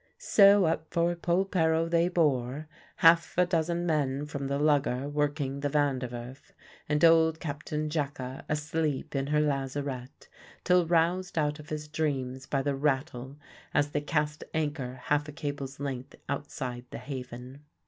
So up for Polperro they bore, half a dozen men from the lugger working the Van der Werf, and old Captain Jacka asleep in her lazarette till roused out of his dreams by the rattle as they cast anchor half a cable's length outside the haven.